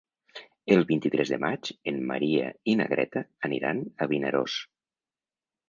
El vint-i-tres de maig en Maria i na Greta aniran a Vinaròs.